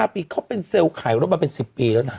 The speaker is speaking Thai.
๕ปีเขาเป็นเซลล์ขายรถมาเป็น๑๐ปีแล้วนะ